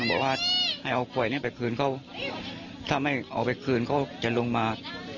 บอกว่าให้เอากล้วยนี้ไปคืนเขาถ้าไม่เอาไปคืนเขาจะลงมา